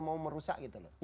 mau merusak gitu